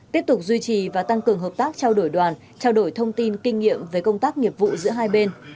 tiếp tục duy trì và tăng cường hợp tác trao đổi đoàn trao đổi thông tin kinh nghiệm về công tác nghiệp vụ giữa hai bên